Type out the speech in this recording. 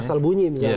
asal bunyi misalnya